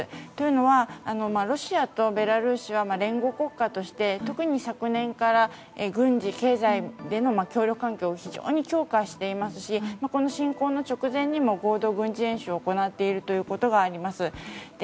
というのはロシアとベラルーシは連合国家として特に昨年から軍事、経済での協力関係を非常に強化していますしこの侵攻の直前にも合同軍事演習を行っています。